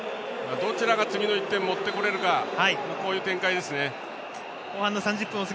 どちらが次の１点を持ってこれるかこういう展開ですね。